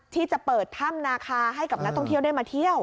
ที่จะเปิดถ้ำนาคาให้กับนักท่องเที่ยวได้มาเที่ยว